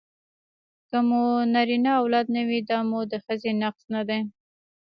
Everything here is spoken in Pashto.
که مو نرینه اولاد نه وي دا مو د ښځې نقص نه دی